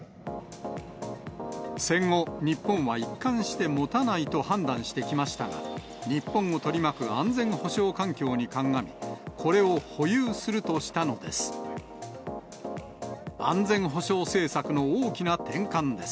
戦後、日本は一貫して持たないと判断してきましたが、日本を取り巻く安全保障環境に鑑み、これを保有するとしたのです。